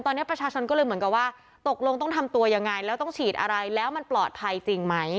ตอนนี้ประชาชนก็เลยเหมือนกับว่าตกลงต้องทำตัวยังไงแล้วต้องฉีดอะไรแล้วมันปลอดภัยจริงไหม